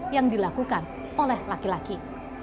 yang dilakukan oleh laki laki